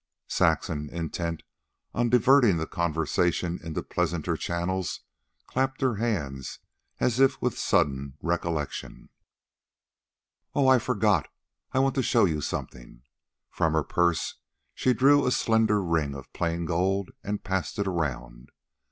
Saxon, intent on diverting the conversation into pleasanter channels, clapped her hands as if with sudden recollection. "Oh! I forgot! I want to show you something." From her purse she drew a slender ring of plain gold and passed it around.